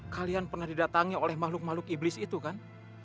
kalian pernah didatangi oleh makhluk makhluk iblis itu kan